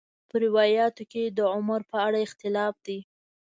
په روایاتو کې د عمر په اړه اختلاف دی.